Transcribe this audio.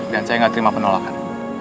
dan saya nggak terima penolakan